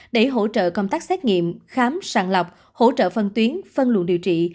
để hỗ trợ công tác xét nghiệm khám sàng lọc hỗ trợ phân tuyến phân luận điều trị